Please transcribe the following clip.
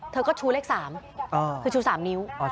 เธอก็ชูเลข๓คือชู๓นิ้ว